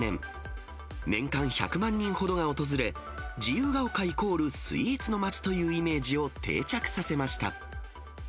年間１００万人ほどが訪れ、自由が丘イコールスイーツの街というイメージを定着させました。